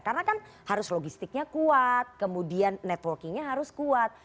karena kan harus logistiknya kuat kemudian networkingnya harus kuat